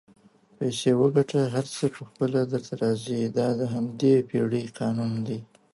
پیسې وګټه هر څه پخپله درته راځي دا د همدې پیړۍ قانون دئ